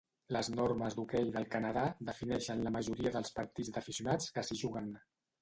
Les normes d'hoquei del Canadà defineixen la majoria dels partits d'aficionats que s'hi juguen.